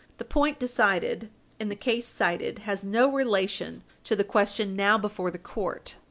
The point decided in the case cited has no relation to the question now before the court.